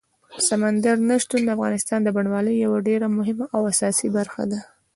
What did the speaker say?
سمندر نه شتون د افغانستان د بڼوالۍ یوه ډېره مهمه او اساسي برخه ده.